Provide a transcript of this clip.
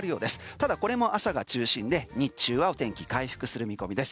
ただ、これも朝が中心で日中は天気回復する見込みです。